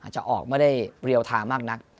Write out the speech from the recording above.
จะออกไม่ได้เรียวทางมากนัก